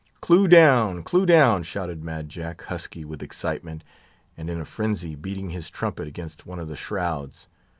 "Clew down! clew down!" shouted Mad Jack, husky with excitement, and in a frenzy, beating his trumpet against one of the shrouds.